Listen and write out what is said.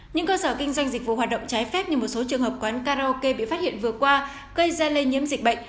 những cơ sở kinh doanh dịch vụ hoạt động trái phép như một số trường hợp quán karaoke bị phát hiện vừa qua gây ra lây nhiễm dịch bệnh